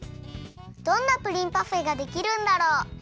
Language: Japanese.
どんなプリンパフェができるんだろう？